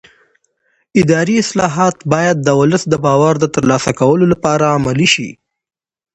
اداري اصلاحات باید د ولس د باور د ترلاسه کولو لپاره عملي شي